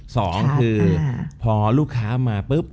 สองคือพอลูกค้ามาปุ๊บ